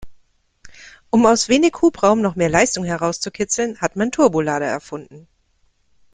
Um aus wenig Hubraum noch mehr Leistung herauszukitzeln, hat man Turbolader erfunden.